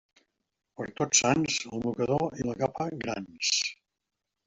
Per Tots Sants, el mocador i la capa grans.